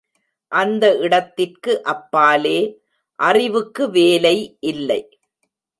அந்த இடத்திற்கு அப்பாலே அறிவுக்கு வேலை இல்லை.